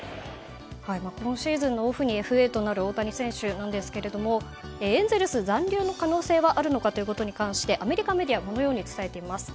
今シーズンのオフにＦＡとなる大谷選手なんですけどもエンゼルス残留の可能性はあるのかということに関してアメリカメディアがこのように伝えています。